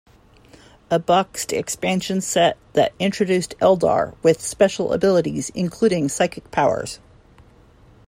A boxed expansion set that introduced Eldar with special abilities including psychic powers.